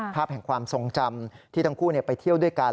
ภาพแห่งความทรงจำที่ทั้งคู่ไปเที่ยวด้วยกัน